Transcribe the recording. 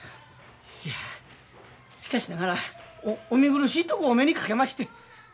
いやしかしながらお見苦しいとこお目にかけまして。